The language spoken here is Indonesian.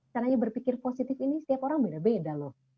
caranya berpikir positif ini setiap orang beda beda loh